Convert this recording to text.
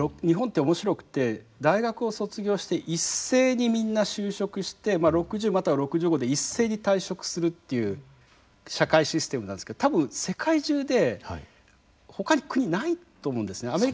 日本って面白くて大学を卒業して一斉にみんな就職して６０または６５で一斉に退職するっていう社会システムなんですけど多分世界中でほかに国ないと思うんですね。